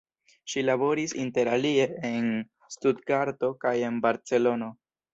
Ŝi laboris interalie en Stutgarto kaj Barcelono.